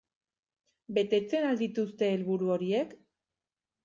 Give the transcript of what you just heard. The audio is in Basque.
Betetzen al dituzte helburu horiek?